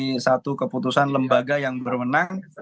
ini satu keputusan lembaga yang berwenang